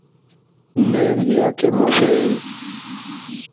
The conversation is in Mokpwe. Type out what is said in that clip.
Nɛh Iyakɛ mɔhvɛ eeh?